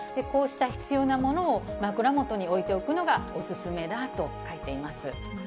こうした必要なものを、枕元に置いておくのがお勧めだと書いています。